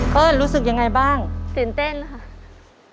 เปิ้ลรู้สึกยังไงบ้างตื่นเต้นนะครับ